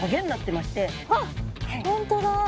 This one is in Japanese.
あっ本当だ！